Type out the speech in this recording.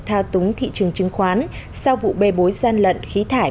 thao túng thị trường chứng khoán sau vụ bê bối gian lận khí thải